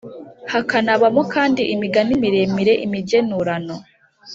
hakanabamo kandi imigani miremire, imigenurano